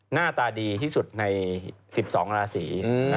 หน้าตาดีที่สุดใน๑๒ราศี